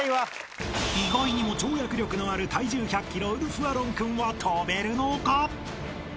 ［意外にも跳躍力のある体重１００ｋｇウルフアロン君は跳べるのか？］